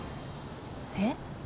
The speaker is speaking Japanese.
えっ？